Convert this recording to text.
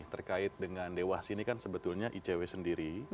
terkait dengan dewas ini kan sebetulnya icw sendiri